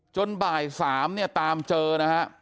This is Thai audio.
บ่าย๓เนี่ยตามเจอนะฮะ